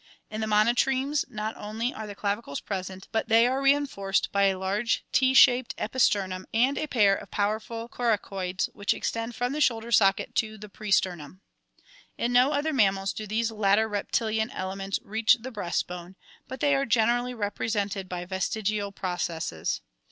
In the monotremes, not only are the clavicles present, but they are reinforced by a large T shaped episternum and a pair of powerful coracoids which extend from the shoulder socket to the presternum (see Fig. 56). In no other mammals do these latter reptilian elements reach the breast bone, but they are gener ally represented by vestigial processes.